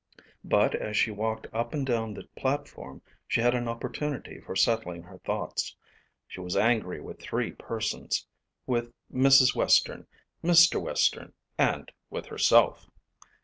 But as she walked up and down the platform she had an opportunity for settling her thoughts. She was angry with three persons with Mrs. Western, Mr. Western, and with herself.